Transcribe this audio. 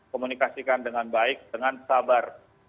komunikasikan dengan baik dengan sabar